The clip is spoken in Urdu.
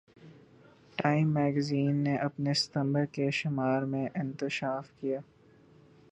ٹائم میگزین نے اپنے ستمبر کے شمارے میں انکشاف کیا